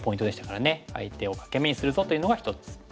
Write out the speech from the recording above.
相手を欠け眼にするぞというのが１つ。